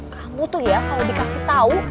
kamu tuh ya kalo dikasih tau